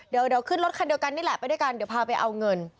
เดี๋ยวขึ้นรถคันเดียวกันนี่แหละไปด้วยกันเดี๋ยวพาไปเอาเงิน